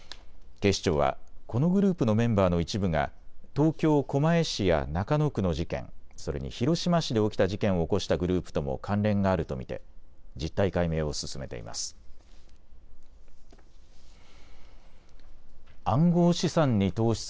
警視庁はこのグループのメンバーの一部が東京狛江市や中野区の事件、それに広島市で起きた事件を起こしたグループとも関連があると見て実態解明を進めています。